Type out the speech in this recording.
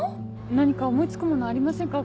何か思い付くものありませんか？